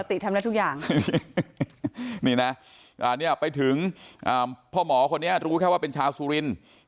ติทำได้ทุกอย่างนี่นะเนี่ยไปถึงพ่อหมอคนนี้รู้แค่ว่าเป็นชาวสุรินทร์